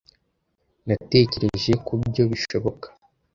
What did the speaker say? Natekereje kubyo bishoboka.